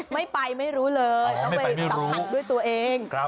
ไม่ไปไม่รู้เลยต้องไปสัมผัสด้วยตัวเอง